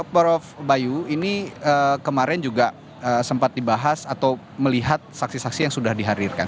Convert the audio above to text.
prof bayu ini kemarin juga sempat dibahas atau melihat saksi saksi yang sudah dihadirkan